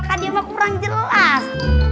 kan emang kurang jelas